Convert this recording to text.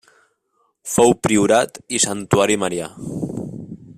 Fou priorat i santuari marià.